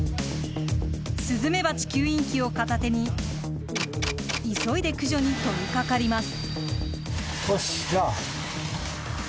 スズメバチ吸引器を片手に急いで駆除に取りかかります。